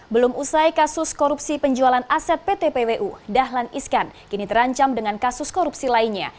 belum usai kasus korupsi penjualan aset pt pwu dahlan iskan kini terancam dengan kasus korupsi lainnya